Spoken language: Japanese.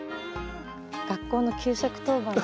学校の給食当番の。